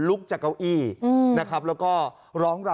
และก็มีการกินยาละลายริ่มเลือดแล้วก็ยาละลายขายมันมาเลยตลอดครับ